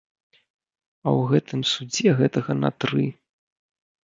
А ў гэтым судзе гэтага на тры.